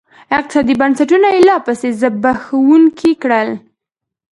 اقتصادي بنسټونه یې لاپسې زبېښونکي کړل.